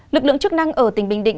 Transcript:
lực lượng chức năng ở tỉnh bình định